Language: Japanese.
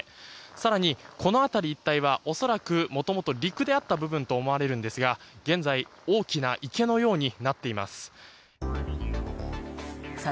更に、この辺り一帯は恐らくもともと陸であったと思われるのですが現在、大きな池のようになっています。